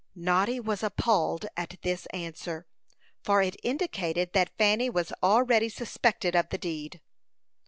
Noddy was appalled at this answer, for it indicated that Fanny was already suspected of the deed.